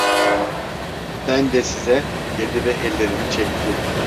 "Ben de size!" dedi ve ellerini çekti.